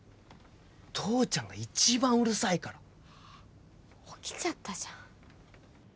父ちゃんが一番うるさいから起きちゃったじゃん